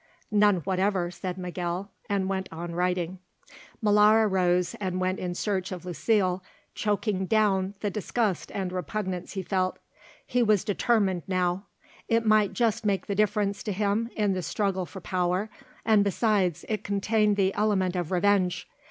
"None whatever," said Miguel, and went on writing. Molara rose and went in search of Lucile, choking down the disgust and repugnance he felt. He was determined now; it might just make the difference to him in the struggle for power, and besides, it contained the element of revenge.